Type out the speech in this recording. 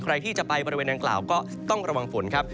ใครที่จะไปบริเวณนางกล่าวก็ต้องระวังฝนครับ